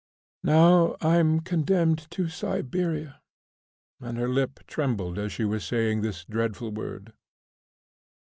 "Now I'm condemned to Siberia," and her lip trembled as she was saying this dreadful word.